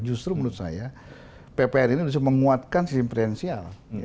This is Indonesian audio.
justru menurut saya pphn ini justru menguatkan sistem presidensil